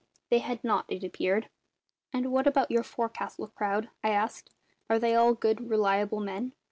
They had not, it appeared. "And what about your forecastle crowd?" I asked. "Are they all good, reliable men?